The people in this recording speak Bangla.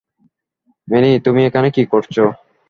ম্যানি, তুমি এখানে কী করছো?